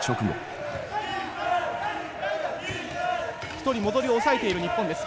１人戻り抑えている日本です。